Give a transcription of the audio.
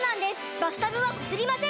バスタブはこすりません！